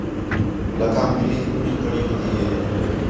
لَکھام ٻِلّھی کُکڑینک تڑی ودی ہِے